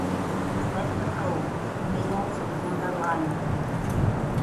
The letter "o" may also be underlined.